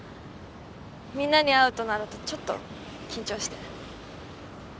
みんなに会うとなるとちょっと緊張して。